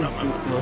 何？